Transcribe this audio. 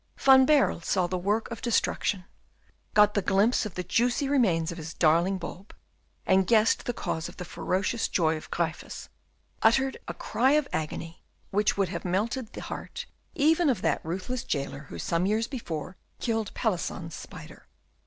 Van Baerle saw the work of destruction, got a glimpse of the juicy remains of his darling bulb, and, guessing the cause of the ferocious joy of Gryphus, uttered a cry of agony, which would have melted the heart even of that ruthless jailer who some years before killed Pelisson's spider.